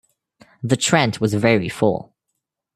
The Trent was very full.